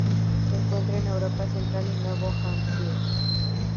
Se encuentra en Europa Central y Nuevo Hampshire.